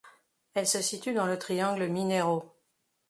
Elle se situe dans le triangle Mineiro.